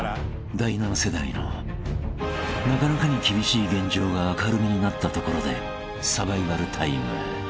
［第７世代のなかなかに厳しい現状が明るみになったところでサバイバルタイム］